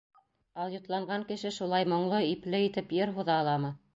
Алйотланған кеше шулай моңло, ипле итеп йыр һуҙа аламы?